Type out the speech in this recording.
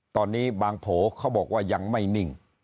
ตอนนี้บางโผล่เขาบอกว่ายังไม่นิ่ง